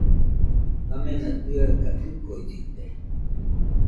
Amena tɨeka dɨkoɨsite